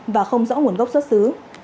và không rõ nguồn gốc xuất xứ